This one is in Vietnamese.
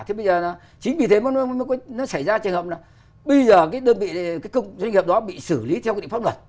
thế bây giờ chính vì thế nó xảy ra trường hợp là bây giờ cái đơn vị cái công doanh nghiệp đó bị xử lý theo cái định pháp luật